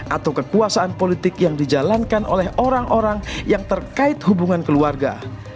atau kekuasaan politik yang dijalankan oleh orang orang yang terkait hubungan keluarga